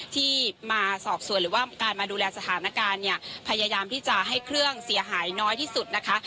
ที่มาสอบสวนหรือว่าการมาดูแลสถานการณ์เนี่ยพยายามที่จะให้เครื่องเสียหายน้อยที่สุดนะคะ